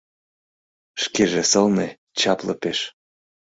Шкеже сылне, чапле пеш